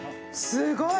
すごい。